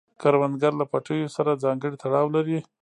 کروندګر له پټیو سره ځانګړی تړاو لري